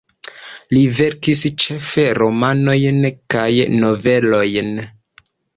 Li verkis ĉefe romanojn kaj novelojn.